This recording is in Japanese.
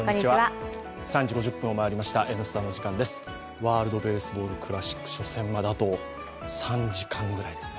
ワールドベースボールクラシック初戦まで、あと３時間ぐらいですね。